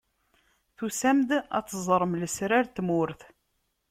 Tusam-d ad teẓrem lesrar n tmurt.